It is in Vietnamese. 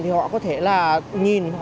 thì họ có thể là nhìn